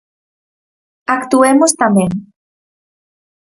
Actuemos tamén.